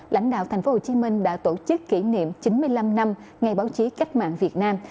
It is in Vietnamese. lãnh đạo tp hcm đã tổ chức kỷ niệm chín mươi năm năm ngày báo chí cách mạng việt nam